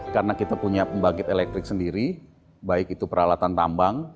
karena kita punya pembangkit elektrik sendiri baik itu peralatan tambang